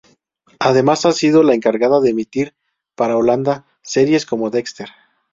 Además ha sido la encargada de emitir para Holanda series como Dexter.